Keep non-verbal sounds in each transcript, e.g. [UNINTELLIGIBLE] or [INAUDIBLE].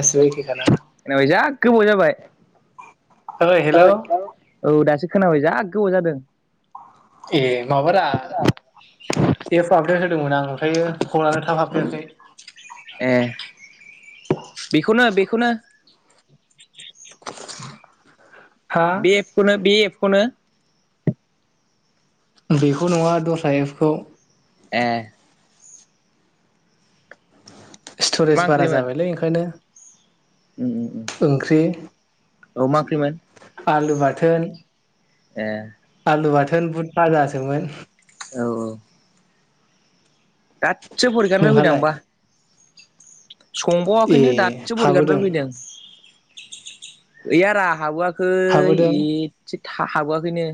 गासैबो एखेखाना? खोनाबाय जा गोबाव जाबाय ओइ ओ हेलौ हेलौ औ दासो खोनाबाय जा गोबाव जादों। ए माबारा आबदेद होदोंमोन आं ओमफ्राययो फनानो थाब हाबफेराखै। बेखौनो-बेखौनो हा बे एफखौनो बि एफ। फनो बेखौ नङा दस्रा एपसखौ ए स्टरेज मा बारा ओंख्रिमोन जाबायलै ओंखायनो उम उम ओंख्रि औ मा ओंख्रिमोन। आलु बाथोन ए आलु बाथोन बुथ बाजासोमोन औ-औ दासो फरिखानोफ्राय फैदां नोंहालाय आंबा। ए संबावआखैनो दाससो बरिगानिफ्राय हाबोदों फैदों। गैयारा हाबोयाखै हो हाबोदों एसे हा हाबो आखैनो।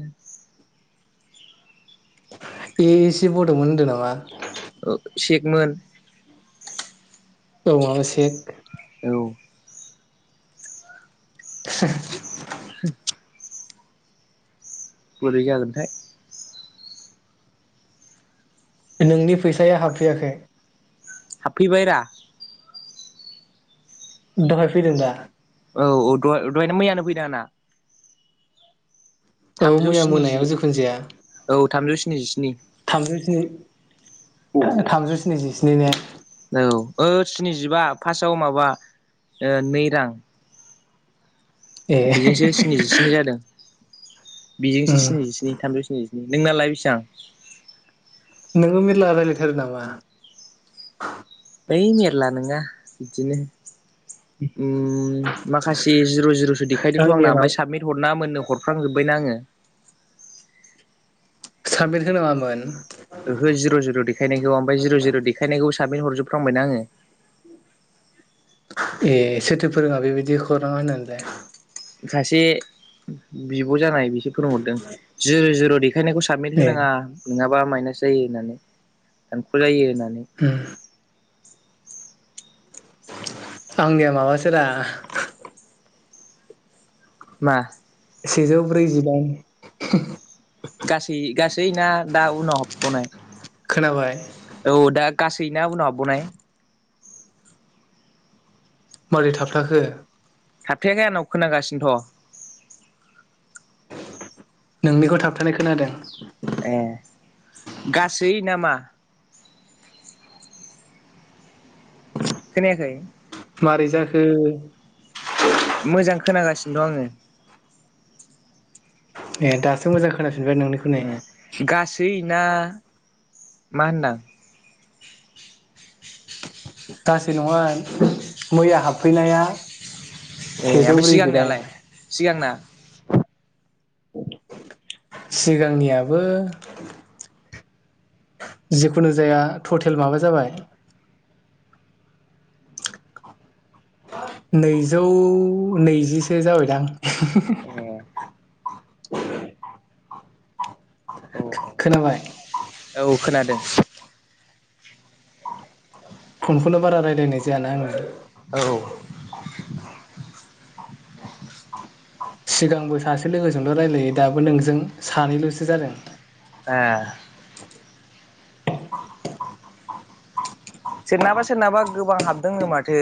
ए एसे बरमोन होनदों नामा। ओ सेकमोन औ माबा सेक औ [INAUDIBLE] [INAUDIBLE] बोरै जागोनथाय। नोंनि फैसाया हाबफैयाखै। हाबफै बायरा नोंथांआ फैदों दा। औ-औ द दहायनो मैयानो फैदों आंना। औ थामजौ मैया स्निजि मोनायाव जोखुन जाया। औ थामजौ स्निजिस्नि थामजौ स्नि थामजौ स्निजिस्नि ने। औ स्निजिबा फार्स्टआव माबा नै रां ए बेजोंसो स्निजिस्नि जादों। बेजोंसो उम स्निजिस्नि थामजौ स्निजिसे। नोंनालाय बेसिबां नोङो मेरला रायलायथारो नामा? ओइ मेरला नोङा दिनो ओम माखासे जिर' जिर'सो देखायदोंथ' आंनि आंना एमाव ओमफाय साबमिट हरनाङा मोननो हरफ्रांजोब्बायना आङो। साबमिट होनाङामोन। ओहो जिर' जिर' देखायनायखौ ओमफाय जिर' जिर' देाखानायखौ सो साबमिट हरजोबफ्रांबायना आङो। ए सोरथो फोरोङा बेबायदि हरनाङा होननानैलाय? सासे बिउ ब' जानाय बिसोर फोरोंहरदों जिर' जिर' देख देखायनायखौ साबमिट ए होनाङा नोङा बा मायनास जायो होननानै दानख' जायो होनना उम आंनिया माबासो रा मा? सेजौ ब्रैजिदाइन। गासै गासै ना दा उनाव हाबबावनाय? खोनाबाय। औ दा गासै ना उनाव हाबबावनाय? मारै थाबथाखो? थाबथायाखै आंनाव खोनागासिनोथ'। नोंनिखौ थाबथानाय खोनादों। ए गासै नामा? खोनायाखै। मारै जाखो? मोजां खोनागासिनो दं आङो। ए दासो मोजां खोना ए गासै ना मा होनदां? गासै नङा मैया हाबफैनाया ए सेजौ ओमफाय ब्रैजिदाइन सिगांनियालाय सिगांना? सिगांनियाबो जिखुनु जाया थटेल माबा जाबाय नैजौ नैजिसो जाबायदां। [UNINTELLIGIBLE] औ औ खोनाबाय औ खोनादो। फनखौनो बारा रायलायनाय जायाना आङो। ओ औ। सिगांबो सासे लोगोजोंल' रायलायो दाबो नोंजों सानैल'सो जादों। ए [INAUDIBLE] सोरनाबा सोरनाबा गोबां हाबदोंनो माथो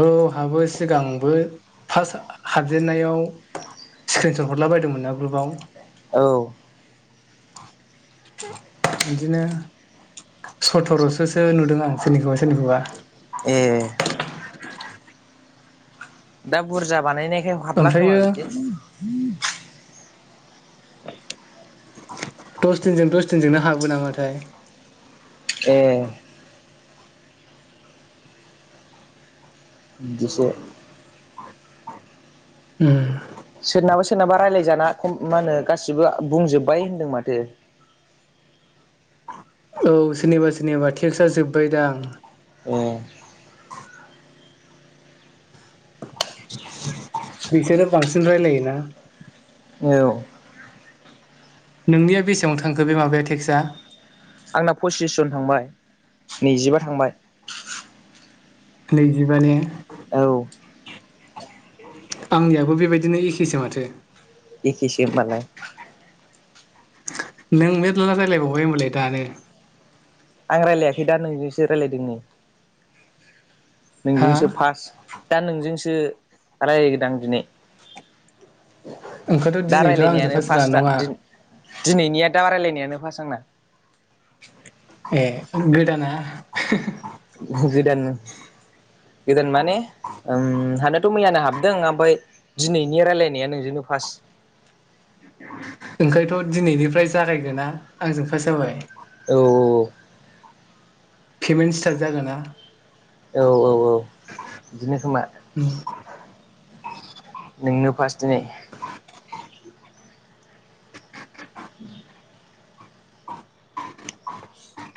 औहाबो सिगांबो फार्स्ट हाबजेनन्नायाव स्क्रिनसट हरला बायदोंमोन ना ग्रुपयाव औ बिदिनो सथरसोसो नुदों आं सोरनिखौबा सोरनिखौबा ए दा बुरजा बानायनाय। हाबला खोमा ओमफ्रायो बिदि [UNINTELLIGIBLE] दस दिनजों दस दिनजोंनो हाबो नामाथाय? ए बिदिसो ओम सोरनाबा सोरनाबा रायल्लायजाना ख मा होनो गासिबो बुंजोबबाय होन्दों माथो। औ सोरनिबा सोरनिबा टेक्स्टआ जोब्बायदां। ए बिसोरो बांसिन रायलायो ना [UNINTELLIGIBLE] औ नोंनिया बेसेबां थांखो बे माबाया टेक्सआ? आंना फसिसजन थांबाय नैजिबा थांबाय? नैजिबा ने औ आंनियाबो बेबायदिनो एखेसो माथो। एखेसो होनबालाय । नों मेरला राय्लायबावबाय होमबालाय दानो। आं रायज्लायाखै दा नोंजोंसो। दे रायलायदोनि हा नोंजोंसो फार्स्ट। दा नोंजोंसो रायज्लायगोदां दिनै। ओंखाथ' दा दिनैथ' आंजों रायलायनायानो फार्स रा फार्स्ट नङा [UNINTELLIGIBLE] दिनैनिया दा रायलायनायानो फास आंना ए गोदाना ओहो ओ गोदाननो [UNINTELLIGIBLE] गोदोन माने ओम हाबनायाथ मैयानो हाबदों ओमफ्राय दिनैनि रायलायनाया नोंजोंनो फार्स्ट। ओंखायथ' दिनैनिफ्राय जागायगोना आंजों फार्स्ट जाबाय औ पेमेन्ट स्टार्ट जागोन ना [UNINTELLIGIBLE] औ औ औ बिदिनो खोमा। नोंनो फार्स्ट दिनै [INAUDIBLE]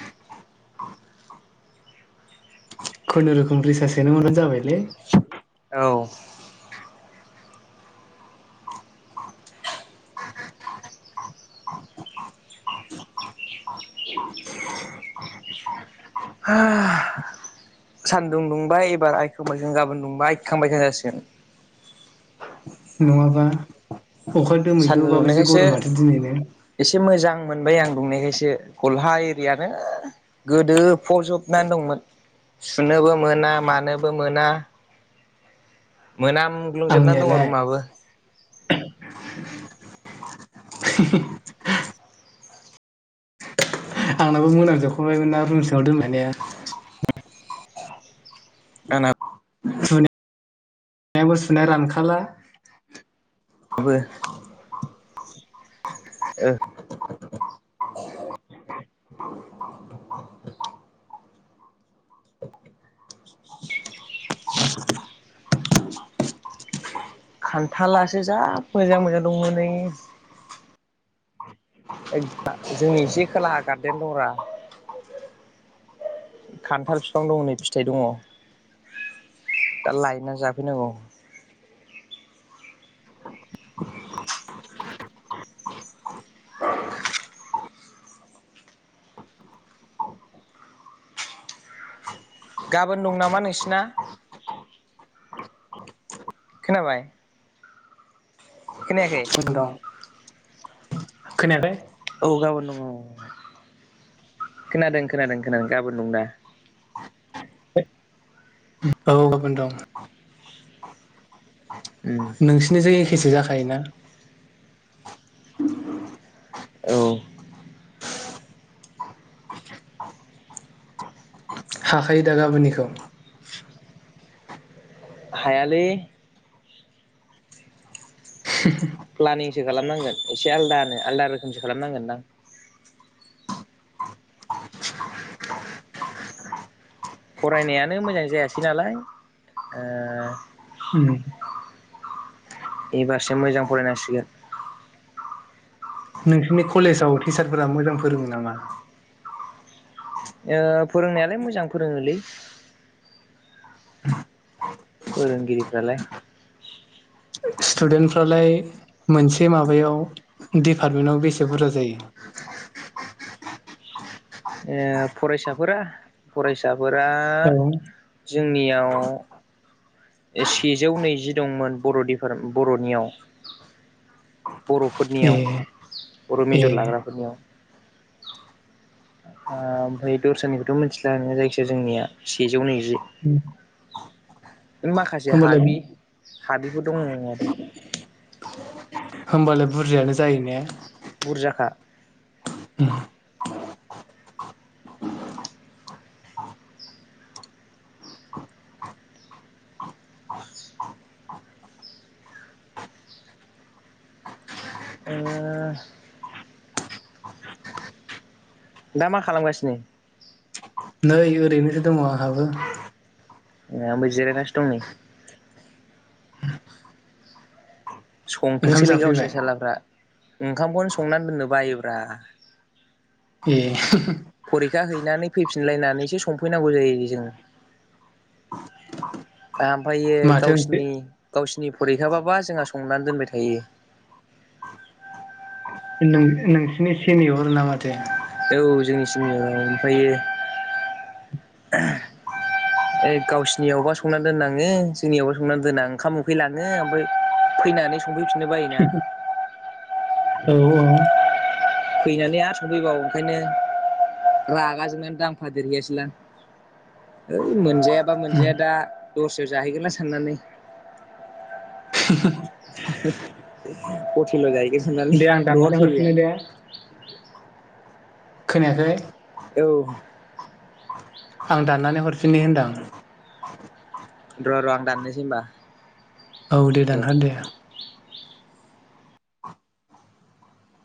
खुनुरुखुम रिसासोनो मोनानो जाबायलै। औ सान्दुं दुंबाय एबार आइखांबाइखां गाबोन दुंबाय आइखांबायखां जासिगोन। नङाबा अखा सानदुं दोमहैलुबाबो जि दुंनायखायसो गरमथो माथो दिनैनो ने। एसे मोजां मोनबाय आं दुंनायखासो गस्ला एरियानो गोदो फजबनानै दंमोन सुनोबो मोना मानोबो मोना। मोनाम ग्लुंजोबनानै दं आंनियालाय रुमाबो [UNINTELLIGIBLE] [INAUDIBLE] आंनाबो मोनाम जोबखांबायमोन ना रुमसिङाव दोनहै नाया सुनाय सुनायाबो सुनाया रानखाला। आबो ओ [UNINTELLIGIBLE] [INAUDIBLE] [INAUDIBLE] [INAUDIBLE] खान्थालासो जा मोजां मोजां दंमोन नै। जोंनि एसे खोलाहा गार्देन दंब्रा खान्थाल बिफां दङ नै फिथाइ दङ दा लायनानै जाफैनांगौ। गाबोन दं नामा नोंसिना। खोनाबाय। खोनायाखै। खोनादों। औ गाबोन दङ खोनादों खोनादों खोनादों गाबोन दं दा। औ गाबोन दं। उम नोंसिनिजों एखे। बेदिनो जाखायोना। औ हाखायो दा गाबोननिखौ। हायलि। [INAUDIBLE] सो खालामनांगोन एसे आलदा आलदा रोखोमसो खालामनांगोन। फरायनायानो मोजां जायासै नालाय। [INAUDIBLE] एबारसो मोजां फरायनांसिगोन। नोंसोरनि कलेजाव टिचारफोरा मोजां फोरोङो नामा। फोरोंनायालाय मोजां फोरोङोलै। फोरोंगिरिफ्रालाय। स्टुडेन्टफ्रालाय मोनसे माबायाव डपार्टमेन्टाव बेसे बुरजा जायो। ए फरायसाफोरा फरायसा। नफोरा औ जोंनियाव। सेजौ नैजि। दंमोन बर फोर बरनियाव। ए बरफोरनियाव बर ए मेजर लाग्राफोरनियाव। आ ओमफ्राय। दस्रानिखौथ मिथिला नोंङो जायखि जाया जोंनिया। सेजौ नैजि। माखासे होमबालाय हाबै हाबैफोर दङ आरो। होमबालाय बुरजायानो जायो ने। बुरजाखा। [INAUDIBLE] [INAUDIBLE] [INAUDIBLE] ए दा मा खालामगासिनो। नै ओरैनोसो दङ आंहाबो। ए आंबो जिरायनानैसो दं नै। ओंखाम संथोंसैलै जाफैबाय गावसोर सालाफ्रा ओंखामखौनो संनानै दोननो बायोब्रा ए फरिखा हैनानै फैफिनलायनानैसो संफैनांगौ जायो जों। ओमफायो माथो ओंख्रि गावसिनि गावसिनि फरिखाबाबा जोंहा संनानै दोनबाय थायो। नों-नोंसिनि सेनियर ना माथो? औ जोंनि सिनियर औ ओमफायो ओइ गावसिनियावबा सं संना दोननाङो जोंनियावबा संनानै दोना ओंखाम उखैलाङो ओमफ्राय फैनानै सं फैफिननो बायो ना औ औ फैनानै आरो संफैबावो ओंखायनो रागाजोंनानै दांफा देरहैयासैलां। ओइ मोनजायाबा मोनजाया दा दस्रायाव जाहैगोनलां साननानै। [INAUDIBLE] हटेलाव जाहैगोन साननानै दे आं दाननानै ब्लद फैबाय हरफिनो आं। दे खोनायाखै? औ आं दाननानै हरफिननो होनदां। र' र' आं दाननोसै होनबा। औ दे दानहर दे